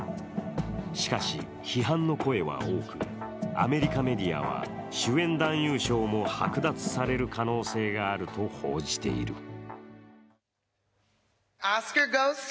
しかし批判の声は多く、アメリカメディアは主演男優賞も剥奪される可能性があると報じている。